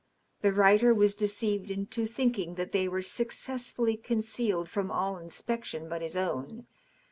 The writer was deceived into thinking that they were successfully concealed from all inspection but his own.